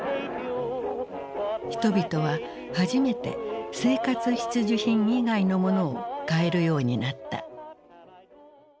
人々は初めて生活必需品以外のものを買えるようになった。